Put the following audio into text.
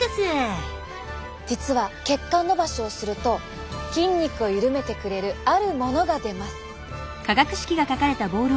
実は血管のばしをすると筋肉を緩めてくれるあるものが出ます。